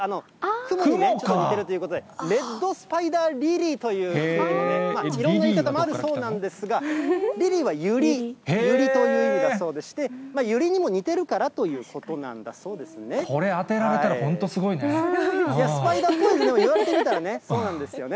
クモにちょっと似てるということで、レッドスパイダーリリーというふうにね、いろんな言い方もあるそうなんですが、リリーはユリ、ユリという意味だそうでして、ユリにも似てるからこれ、当てられたら本当、スパイダーっぽいね、言われてみたらね、そうなんですよね。